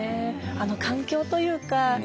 あの環境というか。